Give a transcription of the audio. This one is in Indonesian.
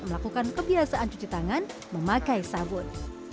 melakukan kebiasaan cuci tangan memakai sabun